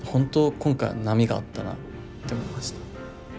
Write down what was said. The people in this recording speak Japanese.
今回は波があったなって思いました。